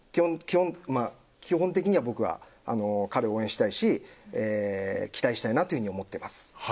基本的には僕は彼を応援したいし期待したいなと思います。